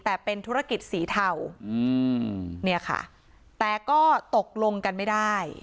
แต่เป็นธุรกิจสีเทาอืมเนี่ยค่ะแต่ก็ตกลงกันไม่ได้